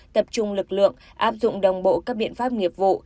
tập trung lực lượng áp dụng đồng bộ các biện pháp nghiệp vụ